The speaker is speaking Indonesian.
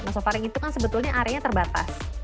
nasofaring itu kan sebetulnya areanya terbatas